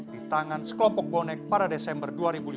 di tangan sekelompok bonek pada desember dua ribu lima belas